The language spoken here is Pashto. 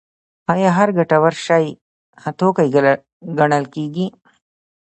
آیا هر ګټور شی توکی ګڼل کیږي؟